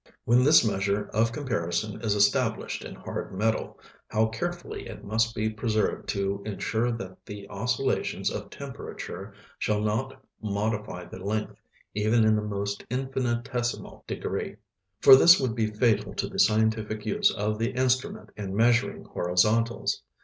When this measure of comparison is established in hard metal, how carefully it must be preserved to ensure that the oscillations of temperature shall not modify the length even in the most infinitesimal degree; for this would be fatal to the scientific use of the instrument in measuring horizontals.